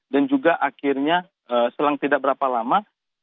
dan juga akhirnya setelah tidak berapa lama